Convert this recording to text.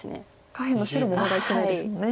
下辺の白もまだ生きてないですもんね。